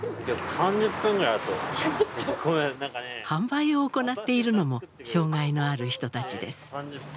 販売を行っているのも障害のある人たちです。